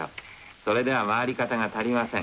それでは回り方が足りません。